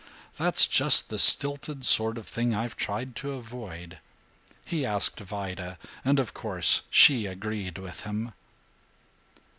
That's just the stilted sort of thing I've tried to avoid. He asked Vida, and of course she agreed with him."